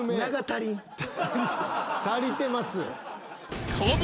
足りてます。